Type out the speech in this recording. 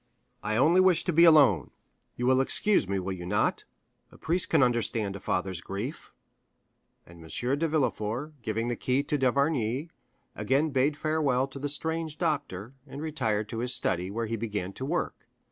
"I only wish to be alone. You will excuse me, will you not? A priest can understand a father's grief." And M. de Villefort, giving the key to d'Avrigny, again bade farewell to the strange doctor, and retired to his study, where he began to work.